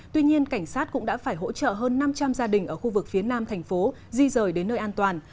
tuy nhiên cảnh sát cũng đã phải hỗ trợ hơn năm trăm linh gia đình ở khu vực phía nam thành phố di rời đến nơi an toàn